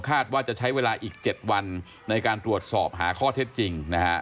ว่าจะใช้เวลาอีก๗วันในการตรวจสอบหาข้อเท็จจริงนะฮะ